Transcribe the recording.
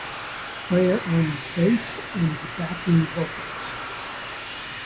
Player on bass and backing vocals.